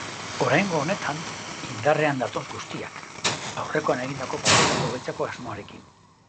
Oraingo honetan, indarrean datoz guztiak, aurrekoan egindako papera hobetzeko asmoarekin.